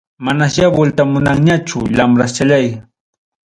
Manasya vueltamunñachu, lambraschallay.